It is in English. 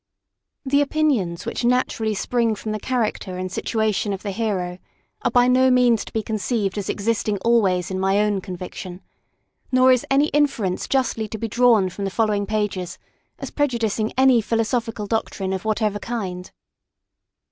The opinions which naturally spring from the character and situation of the hero are by no means to be conceived as existing always in my own conviction; nor is any inference justly to be drawn from the following pages as prejudicing any philosophical doctrine of whatever kind.